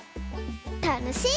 たのしい！